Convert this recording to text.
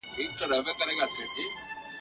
بیرغچي زخمي سوی دئ.